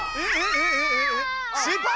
失敗！